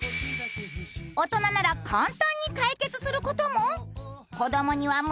大人なら簡単に解決する事も。